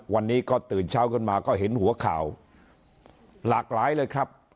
วันนี้ก็ตื่นเช้าขึ้นมาก็เห็นหัวข่าวหลากหลายเลยครับ